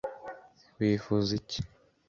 Wifuza iki?